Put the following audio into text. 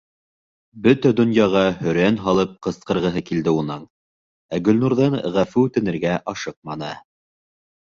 Бөтә донъяға һөрән һалып ҡысҡырғыһы килде уның, ә Гөлнурҙан ғәфү үтенергә ашыҡманы.